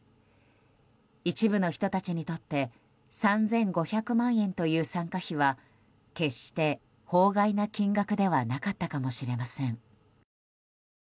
一部の人たちにとって３５００万円という参加費は決して法外な金額ではなかったかもしれません。